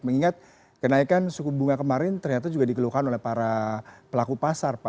mengingat kenaikan suku bunga kemarin ternyata juga dikeluhkan oleh para pelaku pasar